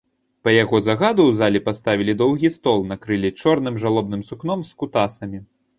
Па яго загаду ў зале паставілі доўгі стол, накрылі чорным жалобным сукном з кутасамі.